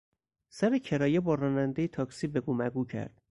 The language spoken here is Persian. سر کرایه با رانندهی تاکسی بگومگو کرد.